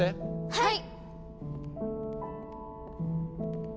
はい！